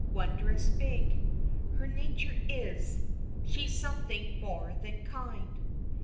Wondrous big Her nature is she's something more than kind.